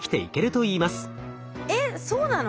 えっそうなの？